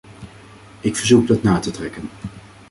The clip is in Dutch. Ik verzoek dat na te trekken.